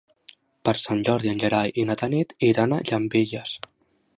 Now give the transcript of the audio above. Per Sant Jordi en Gerai i na Tanit iran a Llambilles.